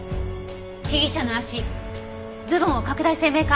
被疑者の足ズボンを拡大鮮明化。